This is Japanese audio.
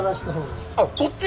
あっこっち？